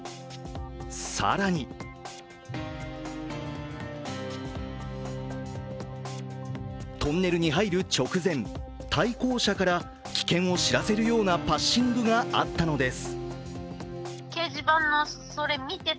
更にトンネルに入る直前、対向車から危険を知らせるようなパッシングがあったのです。